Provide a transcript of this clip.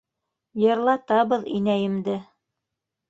— Йырлатабыҙ инәйемде.